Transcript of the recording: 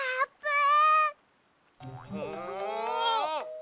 ん！